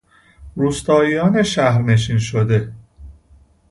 روستاییان شهرنشین شده